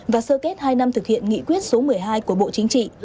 và sơ kết hai năm thực hiện nghị quyết số một mươi hai của bộ chính trị